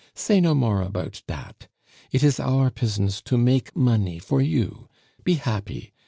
Say no more about dat. It is our pusiness to make money for you. Be happy!